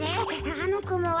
あのくもは。